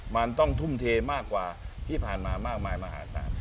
มันต้องทุ่มเทมากกว่าที่ผ่านมามากมายมหาศาล